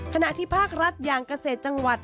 ขณะที่ภาครัฐอย่างเกษตรจังหวัด